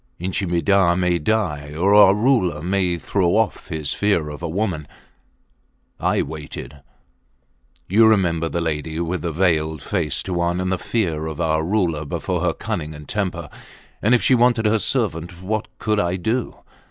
Inchi Midah may die or our Ruler may throw off his fear of a woman! ... I waited! ... You remember the lady with the veiled face, Tuan, and the fear of our Ruler before her cunning and temper. And if she wanted her servant, what could I do?